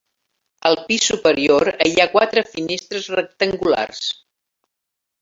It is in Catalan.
Al pis superior hi ha quatre finestres rectangulars.